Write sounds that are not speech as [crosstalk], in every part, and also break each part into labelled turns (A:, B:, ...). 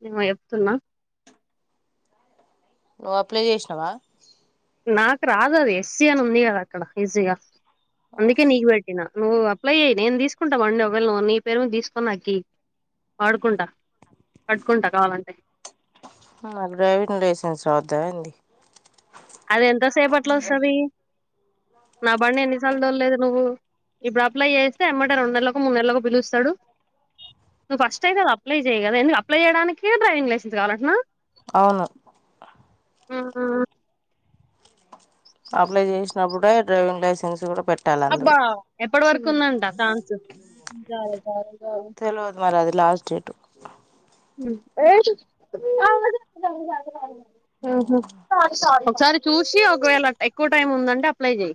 A: మేమో చెప్తున్నా
B: నువ్వు అప్లై చేసినావా
A: నాకు రాదు అది ఎస్సీ అని ఉంది కద అక్కడ ఈజీగా అందుకే నీక్ పెట్టినా నువ్వు అప్లై చేయ్యి నేను తీసుకుంటా బండి ఒకవేళ నువ్వు నీ పేరు మీ తీసుకోని నాకి యి వాడుకుంటా పట్టుకుంటా కావాలంటే
B: మాకు డ్రైవింగ్ లైసెన్స్ వద్ద అండి
A: అది ఎంతసేపట్లో ఒస్తది నా బండి ఎన్నిసార్లు దొల్లేదు నువ్వు ఇప్పుడు అప్లై చేస్తే ఎమ్మంటే రెండు నెలలకు ఒక మూడు నెలలకుకి బిల్ ఇస్తాడు నువ్వు ఫస్ట్ అయితే కా అప్లై చెయ్య కదా ఎ అప్లై చేయడానికి డ్రైవింగ్ లైసెన్స్ కావాలంటన్నా
B: అవును
A: ఆహ
B: అప్లై చేసినప్పుడే డైవింగ్ లైసెన్స్ కూడా పెట్టాలి
A: అబ్బా
B: అందులో
A: ఎప్పటి వరకు ఉందంట ఛాన్స్ చాల సార్లు
B: తెలవదు అది మరి లాస్ట్ డేటు
A: ఓచు ఆహా స ఒకసారి చూసి ఒకవేళ ఎక్కువ టైం ఉందండి అప్లై చెయ్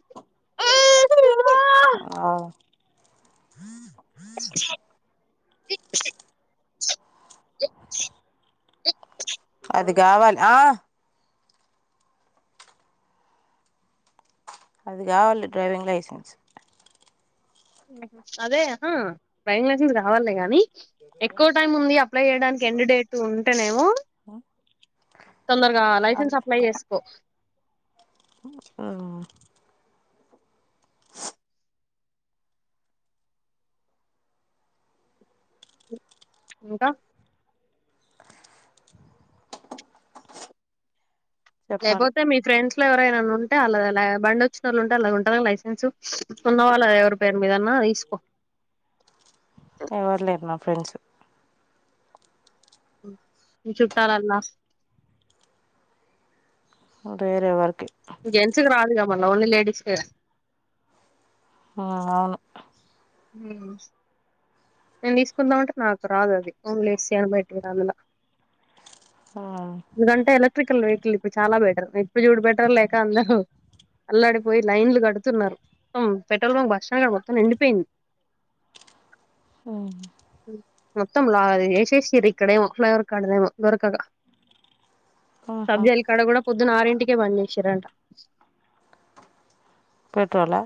B: ఆ
A: ఇనో అడిబుల్
B: అది గావాలి ఆ అది కావాలి డ్రైవింగ్ లైసెన్స్
A: అదేహ డ్రైవింగ్ లైసెన్స్ కావాలే గానీ ఎక్కువ టైమ్ ఉంది అప్లై చేయడానికి ఎం డేట్ ఉంటేనేమో తొందరగా లైసెన్స్ అప్లై చేసుకో
B: ఆ
A: ఇంకా
B: ఇనోడి అడిబుల్ చెప్పాలి
A: లేయిపోతే మీ ఫ్రెండ్స్ ఎవరైనా ఉంటే అళ్ళ బండి వచ్చిన వాళు ఉంటే అలా ఉంటుందా లైసెన్స్ ఉన్నవాళ్ల ఎవరి పేరు మీదన్నా తీసుకో
B: ఎవరు లేరు మా ఫ్రెండ్స్
A: మీ చుట్టూల అల్లా
B: వేరే వరకి
A: కొంతమంది లేడీస్కి
B: అవును
A: హ్మ్ నేను తీసుకుందామంటే నాకు రాద్ అది ఓన్లీ ఎస్ యా మెట్ దాన్ డ్లు లా ఎందుకంటే ఎలక్ట్రికల్ వెహికల్ ఇప్పుడు చాలా బెటర్ ఇప్పుడు చూడు పెట్రోల్ లేక అందరూ, అల్లాడిపోయి లైన్లు కడుతున్నారు, త్తం పెట్రోల్ బంక్ బస్ స్టాండ్ మొత్తం నిండిపోయింది.
B: ఆ
A: మొత్తం లాగ ఏశేషీర్ ఇక్కడ ఏమో
B: ఆహా
A: సబ్ జైల్ కాడ కూడా పొద్దున్న ఆరిన్ కే బం చేశిర్ అంట
B: పెట్రోలా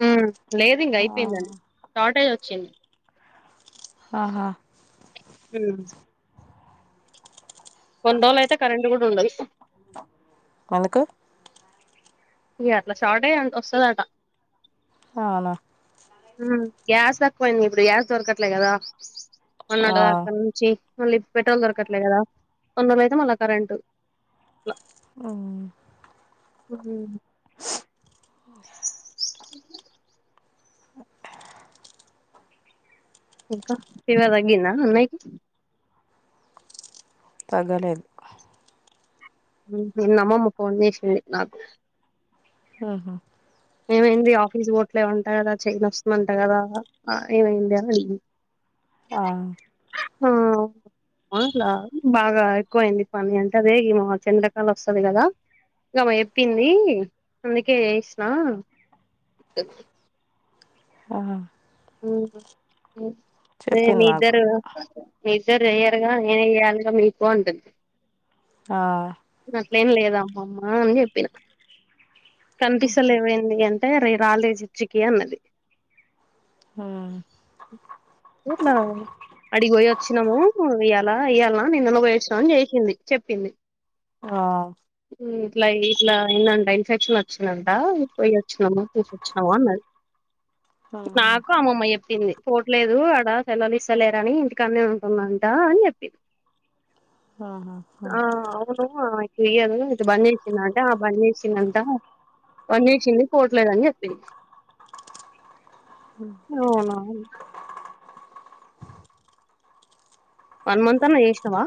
A: హ్ లేద్ ఇంగ అయిపోయిందండి షార్టేజ్ వ చెన్
B: ఆహా
A: అ కొన్ని రోజులు అయితే కరెంట్ కూడా ఉండదు
B: ఎందుకు
A: ఇ అట్ల షాటయి అట్ల వస్తదంట
B: అవునా
A: గ్యాస్ తక్కువయింది ఇప్పుడు గ్యాస్ దొరకట్లే కదా మొన్నడ్ దాక నుంచి మళ్ళీ పెట్రోల్ దొరకట్లేద్ కదా కొన్ని రోజులు అయితే మళ్ళా కరెంటు ట్ల
B: ఆ
A: ఉమ్ ఇంక ఫీవర్ తగ్గిందా అన్నయ్య కి
B: తగ్గలేద్
A: నిన్న అమ్మమ్మ ఫోన్ జేసింది నాకు
B: ఆహా
A: ఏమైంది ఆఫీస్ బోవాట్లెవ్ వంట కదా చేయి నోస్తుందంట కదా ఏమైంది అని అడిగిన్
B: ఆ
A: అట్లా బాగా ఎక్కువయింది పని, అంటే అదే ఈమ చంద్రకల వస్తది కదా గామే చెప్పింది అందుకే స్ నా
B: హా
A: అవునా హు రే
B: చెప్పింది
A: మీ
B: నాకు కూడా
A: ఇద్దరు ఇద్దరు చెయ్యరుగా నేనే చేయాలిగా మీకు ఉంటుంది
B: ఆ
A: అట్లేం లేద్ అమ్మమ్మ అని చెప్పిన కనిపిస్తలేవైంది అన్ రే రాలే చర్చ్ కి అన్నది
B: ఆ
A: ఆడికి పోయ వచ్చినము ఇయ్యాల ఇయ్యాల నిన్నలో పోయచ్చినాని చేసింది చెప్పింది
B: ఆ
A: ఇట్లా ఇట్లా ఏందంట ఇన్ఫెక్షన్ వచ్చిందంట పోయ్య వచ్చినాము తీకొచ్చినాము అన్నది నాకు అమ్మ చెప్పింది పోట్లేదు అడా చెల్లలు ఇస్తలేరని ఇంటికి అన్న ఉంటుందంట అని చెప్పింది
B: ఆహా హా
A: యదు ఇట్ట బంద్ చేసిందంటే ఆ బంద్ చేసిందింతా బంద్ చేసింది పోట్లేదుని చెప్పింది వన్ మంత్ అన్నా చేసినావా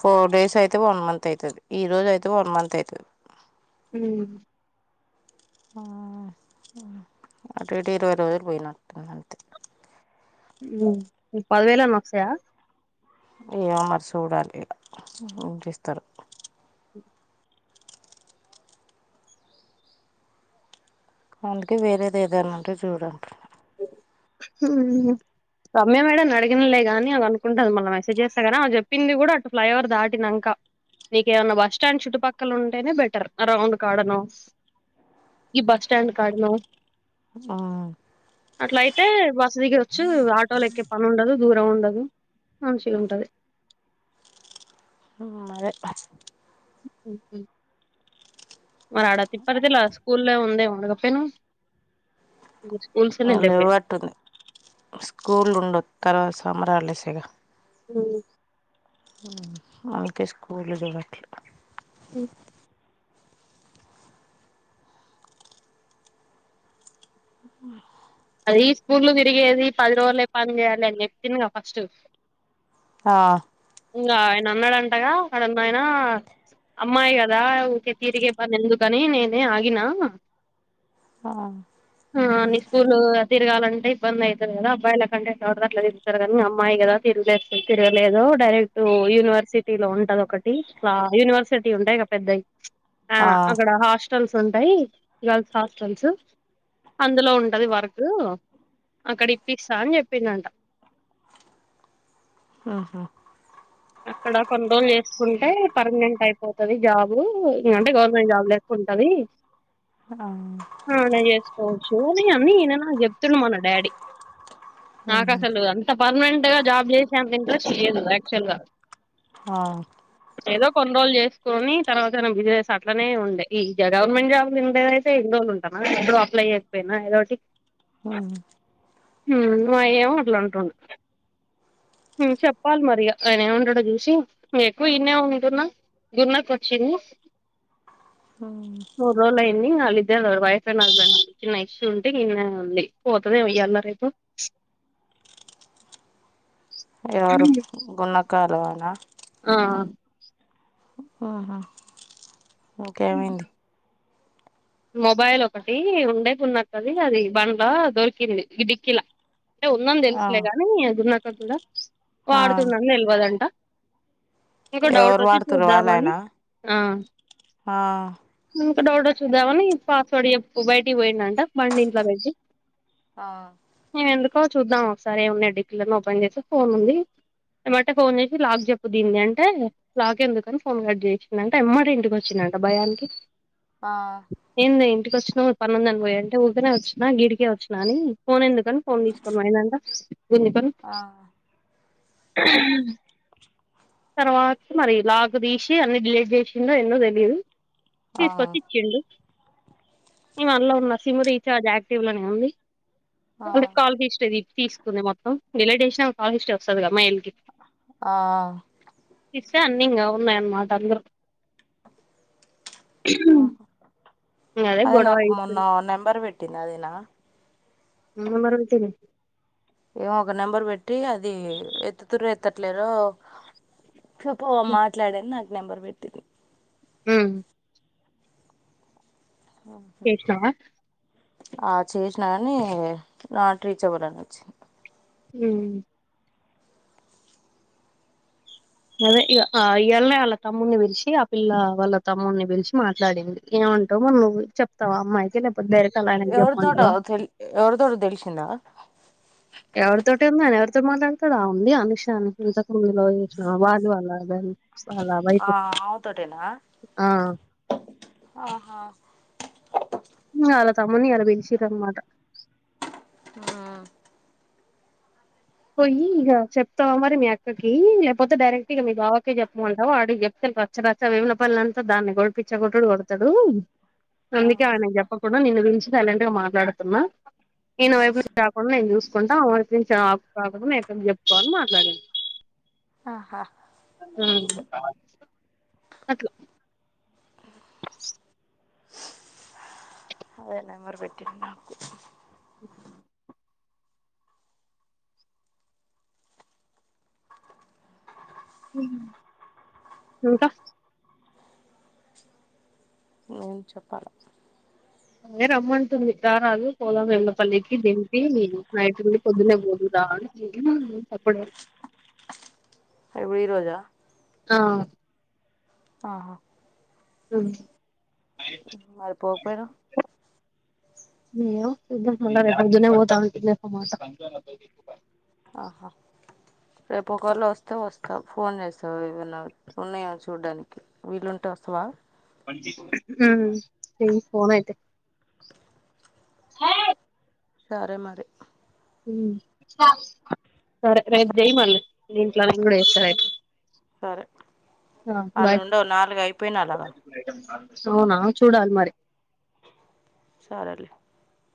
B: ఫోర్ డేస్ అయితే వన్ మంత్ అయితుది ఈ రోజు అయితే వన్ మంత్ అయితది
A: హ్మ్
B: అటు ఇటు ఇరవై రోజులు పోయినట్టుంది అంతే
A: పదివేల్ అన్ వస్తాయా
B: ఏమో మరి చూడాలి ఇగ ఎంత ఇస్తారో అందుకే వేరేది ఏదన్న ఉంటే చూడు అంటున్న
A: రమ్య మేడం అడిగిన్లే గాని ఆమె అనుకుంటది, మళ్ళీ మెసేజ్ చేస్తే కానీ ఆమె చెప్పింది కూడా, అటు ఫ్లైఓవర్ దాటినాక నీక ఏమన్నా బస్ స్టాండ్ చుట్టుపక్కల ఉంటేనే బెటర్ ఆ రౌండ్ కాడనో ఈ బస్ స్టాండ్ కాడనో.
B: ఆ
A: అట్లా అయితే బస్సు దగ్గరచ్చు ఆటోలు ఎక్కే పని ఉండదు దూరం ఉండదు మంచిగా ఉంటది
B: ఉమ్ అదే
A: మరి ఆడ తిప్పార్ దులా స్కూల్ల్లో ఉందేమే అడకపోయి ను
B: వాళ్ళు ఇవ్వట్టుంది స్కూల్ ఉండొ తర్వాత సమ్మర్ హాలిడేసేగా
A: అవును
B: అందుకే స్కూలు కెళ్ళట్ల
A: హ్మ్ అది స్కూల్ లో తిరిగేది పది రోజులే పని చేయాలి అని చెప్పిందిగా ఫస్టు
B: ఆ
A: ఇంగ న అన్నాడంటగా ఆడన్నయన అమ్మాయి కదా ఊరికే తిరిగే పని ఎందుకని నేనే ఆగిన
B: ఆ
A: అని స్కూల్ తిరగాలంటే ఇబ్బంది అయితది కదా అబ్బాయిల కంటే ఎట్ల పడితే అట్ల తిరుగుతారు కానీ అమ్మాయి కదా తిరగలేదు తిరగలేదు డైరెక్ట్ యూనివర్సిటీ లో ఉంటది ఒకటి ఇట్ల యూనివర్సిటీలు ఉంటాయిగా ఇక పెద్దయి ఆ అక్కడ హాస్ట హాస్టల్స్ ఉంటాయి గర్ల్స్ హాస్టల్స్ అందులో ఉ ఉంటది వరకు అక్కడ ఇప్పిస్తా అని చెప్పిందంట
B: ఉహు
A: అక్కడ కొన్ని రోజులు చేసుకుంటే పర్మనెంట్ అయిపోతుంది జాబ్ ఇకంటే గవర్నమెంట్ జాబ్ లేసుకుంటది అలా చేసుకోవచ్చు అని అన్నేను చెప్తున్నాడు మన డాడీ నాకు
B: ఉహు
A: అసలు అంత పర్మనెంట్ గా జాబ్ చేసేంత ఇంట్రెస్ట్ లేదు యాక్చువల్ గా
B: ఆ
A: ఏదో కొన్ని రోజులు చేసుకొని తర్వాతనా బిజినెస్ అట్లనే ఉండే ఈ గవర్నమెంట్ జాబ్ ఉండేయితే ఇన్ని రోజు ఉంటానా ఎప్పుడో అప్లై అయకపోయినా ఏదోటి
B: ఉహు
A: ఏమో అట్లా ఉంటుండ చెప్పాలి మరి ఆయన ఏంటు చూసి ఎక్కువ ఇన్నే ఉందిన్నా గున్నకు వచ్చింది మూడు రోజులు అయింది వాళ్ళిద్దే వైఫ్ అండ్ హస్బెండ్ చిన్న ఇష్యూ ఉంటే ఇన్నె ఉంది పోతుంది ఇ్యాల రేపు
B: ఎవరు గున్నకాలువనా
A: ఆ
B: ఇంకేమైంది
A: మొబైల్ ఒకటి ఉండే కున్నాకది అది బండ్లా దొరికినది డిక్కిలా అంటే ఉందని
B: ఆ
A: తెలుసులే గానీ గున్నాక కూడా
B: ఆ
A: వాడుతుండని తెలవదుంట ఒక డౌట్
B: ఎవరు
A: వచ్చి
B: వాడుతురు
A: చూద్దామని
B: వాళ్ళాయనా
A: ఆ
B: ఆ
A: డ చూదామని పాస్వాడి బయటికి పోయినంట బండి ఇంట్లో పెట్టి
B: ఆ
A: ఎక్ చూద్దాం ఒకసారి ఏమున్నా డికిలని ఓపెన్ చేసి ఫోన్ ఉంది ఏమంటే ఫోన్ చేసి లాక్ చెప్పు దింది అంటే లాక్ ఎందుకని ఫోన్ కట్ చేసిందింటే ఎమ్మడ ఇంటికి వచ్చిందింట భయానికి
B: ఆ
A: ప్రశ్ను పన్నొంద అని పోయి అంటే ఊరే వచ్చిన గిడికే వచ్చా అని పోన్ ఎందుకు ఫోన్ తీసుకొని పోయనంక
B: ఆ
A: [unintelligible] తర్వాత మరి లాక్ తీసి అన్ని డిలీట్ చేసిందో ఏందో తెలియదు
B: ఆ
A: తీసుకొచ్చి ఇచ్చిండు ఇంగ అందులో ఉన్న సిమ్ రీఛార్జ్ యక్టివ్ లోనే ఉంది
B: ఆ
A: అ కాలు తీస్ది తీసుకు మొం డిలైటేన్ చాల హ ఇస్ట్ వస్తుంది కమ్ల్
B: ఆ
A: తీస్తే అన్ని ఇంగ ఉన్నాయి అనమాట అందరకి
B: ఓహో అదే
A: గొడవ
B: నాకు మొన్న
A: అయితుంది
B: నెంబర్ పెట్ తిన్నాదేనా
A: ఆ నెంబర్ ఎంతనే
B: ఏమో ఒక నెంబర్ పెట్టి అది ఎత్తుతురు ఎత్తట్లేరో చెప్పు మాట్లాడను నా నెంబర్ పెడితి
A: హు చేసినవా
B: ఆ చేసినా కాని నాట్ రీచబుల్ అని వచ్చింది
A: హు అదే ఇయాలెనే వాళ్ళ తమ్ముడిని పలిచి ఆ పిల్ల వాళ్ళ తమ్ముడిని పిలిచి మాట్లాడింది ఏమంటా మ నువ్వు చెప్తావ అమ్మాయికి లేకపోతే డైరెక్ట్ వాళ్ళ ఆయనకి
B: ఎవరు తోటో
A: చెప్పమంటావా
B: తేల్ ఎవర్ తోటో తెలిసందా
A: ఎవరితోటి ఏందో అని ఎవరితో మాట్లాడతాడు ఆమె ఉంది అనుషా అ [unintelligible] వాళ్ళ హస్బెండ్ వాళ్ళ వైప్
B: ఆ ఆమెతోటేనా
A: ఆ
B: ఆహా
A: అ వాళ్ళ తమ్ముని ఇయ్యాల పిలిచిర్రు అనమాట
B: హు
A: పోయి ఇక చెప్తావా మరి మీ అక్కకి లేకపోతే డైరెక్ట్ ఇక మీ బావకే చెప్పమంటావా వాడి చెప్తాను రచ్చ రచ్చా విమునపల్లంతా దాన్ని గొడిపించ కొట్టడు కొడతాడు
B: ఆ
A: అందుకే ఆయన చెప్ప కుండా నిన్ను పిలిచిన సైలెంట్ గా మాట్లాడుతున్నా ఈయన వైపు నుంచి రాకుండా నేను చూసుకుంటా ఆ వైపు నుంచి ఆమెను [unintelligible] చెప్పుకోవాలి మాట్లాడిండు
B: ఆహా
A: హు అట్లా
B: అదే నెంబర్ పెట్టిండు నాకు
A: ఇంకా
B: నేను చెప్పాల
A: అదె రమ్మంటుంది రారదు పోదాం వెళ్లపల్లికి దింపి నైట్ ఉండి పొద్దునే పోదువు రా [unintelligible]
B: ఎపుడు ఈ రోజా
A: ఆ
B: ఆహా
A: మ్
B: మరిపోకపోయర
A: [unintelligible]
B: ఆహ రేపు ఒకవేళ వస్తే వస్తావు ఫోన్ చేస్తావు ఏమనా ఉన్నాయా చూడ్డానికి విల్లుంటే వస్తావా
A: హు పోన్ అయితే సార్
B: సరే మరి
A: మ్.. సరే రేపు చెయ్ మళ్ళీ దీంట్లోంచి గూడా చేస్త రేపు
B: సరే
A: బాయ్
B: అన్నుండవు నాలుగు అయిపోయిన అలాగా
A: సో నావి చూడాలి మరి
B: సరేలే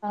A: ఆ